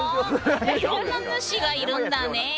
いろんな主がいるんだね。